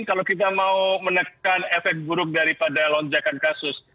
kalau kita mau menekan efek buruk daripada lonjakan kasus